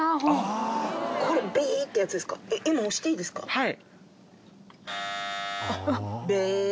はい。